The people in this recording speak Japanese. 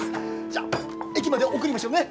じゃあ駅まで送りましょうね。